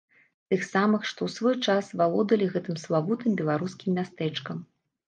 Тых самых, што ў свой час валодалі гэтым славутым беларускім мястэчкам.